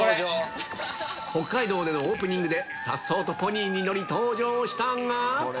北海道でのオープニングで、さっそうとポニーに乗り、登場したが。